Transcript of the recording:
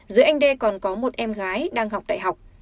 giữa anh đê còn có một em gái đang học đại học